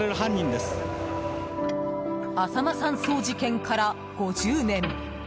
浅間山荘事件から５０年。